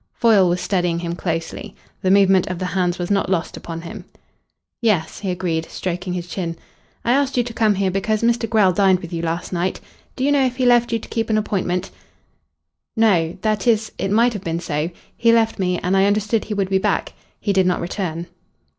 Foyle was studying him closely. The movement of the hands was not lost upon him. "Yes," he agreed, stroking his chin. "I asked you to come here because Mr. Grell dined with you last night. Do you know if he left you to keep an appointment?" "No that is, it might have been so. He left me, and I understood he would be back. He did not return."